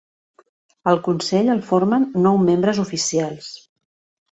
El consell el formen nou membres oficials.